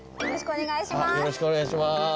よろしくお願いします。